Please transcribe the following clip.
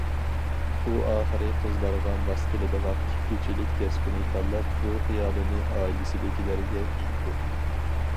ئۇ ئاخىرى قىزلارغا ماس كېلىدىغان تىككۈچىلىك كەسپىنى تاللاپ، بۇ خىيالىنى ئائىلىسىدىكىلەرگە ئېيتتى.